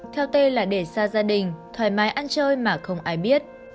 theo tê là để ra gia đình thoải mái ăn chơi mà không ai biết